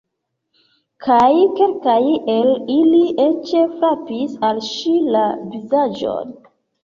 Kaj kelkaj el ili eĉ frapis al ŝi la vizaĝon.